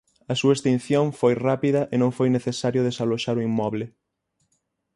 A súa extinción foi rápida e non foi necesario desaloxar o inmoble.